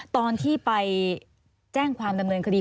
ตอนที่ไปแจ้งความดำเนินคดี